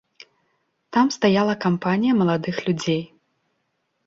Там стаяла кампанія маладых людзей.